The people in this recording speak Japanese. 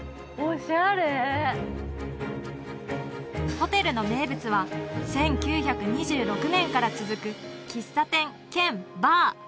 ホテルの名物は１９２６年から続く喫茶店兼バー